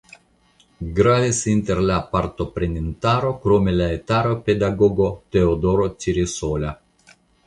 Gravis inter la partoprenintaro krome la itala pedagogo Teodoro Ciresola.